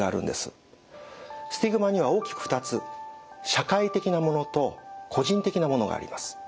スティグマには大きく２つ社会的なものと個人的なものがあります。